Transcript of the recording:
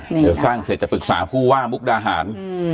เดี๋ยวสร้างเสร็จจะปรึกษาผู้ว่ามุกดาหาร